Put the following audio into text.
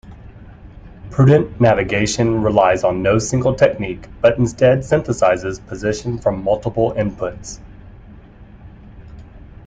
Prudent navigation relies on no single technique but instead synthesizes position from multiple inputs.